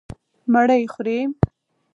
_مړۍ خورې؟